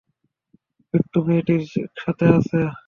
বিট্টু মেয়েটির সাথে আছে?